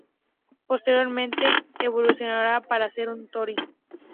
Posteriormente evolucionaría para ser un tory.